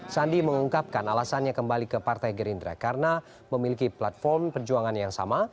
sandi mengungkapkan alasannya kembali ke partai gerindra karena memiliki platform perjuangan yang sama